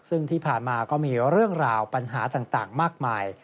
ซึ่งที่ผ่านมาก็มีเรื่องราวปัญหาต่างมากมาย